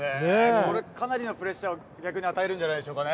これ、かなりのプレッシャー、逆に与えるんじゃないでしょうかね。